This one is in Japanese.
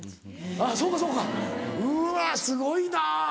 あっそうかそうかうわすごいな。